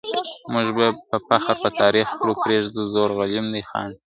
موږ به فخر په تاریخ کړو پرېږده زوړ غلیم دي خاندي !.